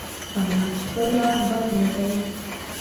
احمد خپله بد نه دی؛